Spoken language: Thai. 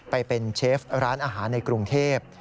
ไปเป็นเชฟร้านอาหารในกรุงเทพ